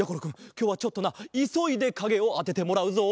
きょうはちょっとないそいでかげをあててもらうぞ。